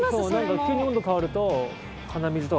急に温度変わると鼻水とか。